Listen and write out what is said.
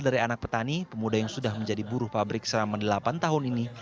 dari anak petani pemuda yang sudah menjadi buruh pabrik selama delapan tahun ini